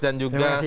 dan juga mbak wiwi